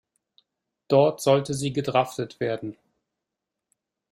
Dort sollte sie gedraftet werden.